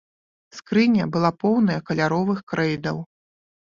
Скрыня была поўная каляровых крэйдаў.